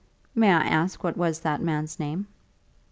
"May I ask what was that man's name?"